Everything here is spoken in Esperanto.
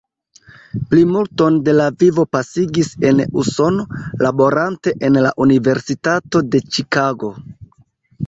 Plimulton de la vivo pasigis en Usono, laborante en la Universitato de Ĉikago.